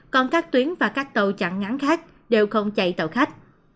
còn các tuyến và các tàu chặn ngắn khác đều không chạy tàu khách